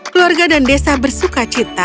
keluarga dan desa bersuka cita